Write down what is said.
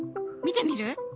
見てみる？